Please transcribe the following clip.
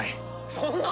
そんな！